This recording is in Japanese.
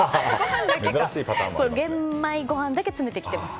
玄米ご飯だけ詰めてきています。